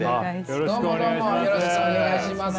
よろしくお願いします。